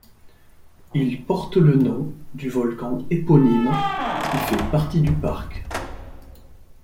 Il porte le nom du volcan éponyme qui fait partie du parc.